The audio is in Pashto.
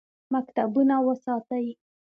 مکتبونه وساتئ